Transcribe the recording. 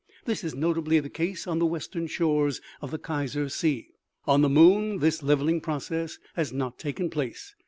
This is notably the case on the western shores of the Kaiser sea. On the moon this levelling process has not taken place.